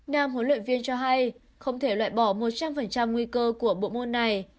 nam huấn luyện viên cho hay không thể loại bỏ một trăm linh nguy cơ của bộ môn này